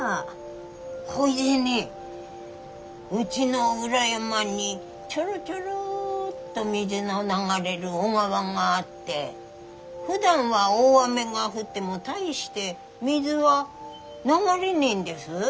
ほいでねうちの裏山にちょろちょろっと水の流れる小川があってふだんは大雨が降っても大して水は流れねえんです。